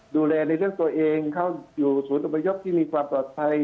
ดูแลนายกเนื่องตัวเองเข้าอยู่ศูนย์ต้มประยบที่มีความตลอดภัย